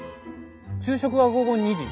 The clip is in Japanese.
昼食は午後２時。